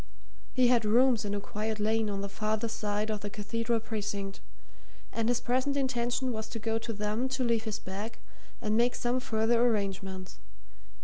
He had rooms in a quiet lane on the farther side of the Cathedral precinct, and his present intention was to go to them to leave his bag and make some further arrangements.